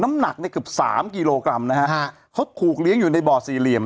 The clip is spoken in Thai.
น้ำหนักเนี่ยเกือบสามกิโลกรัมนะฮะเขาถูกเลี้ยงอยู่ในบ่อสี่เหลี่ยม